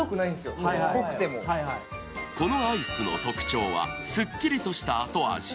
このアイスの特徴は、すっきりとした後味。